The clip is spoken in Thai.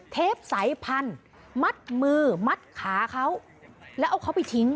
เทปสายพันธุ์มัดมือมัดขาเขาแล้วเอาเขาไปทิ้ง